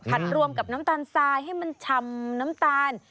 รวมกับน้ำตาลทรายให้มันชำน้ำตาล